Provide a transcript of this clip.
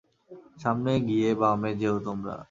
সামনে গিয়ে বামে যেও তোমরা।